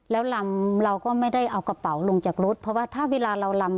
แล้วลำเราก็ไม่ได้เอากระเป๋าลงจากรถเพราะว่าถ้าเวลาเราลำ